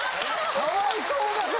かわいそうなこと。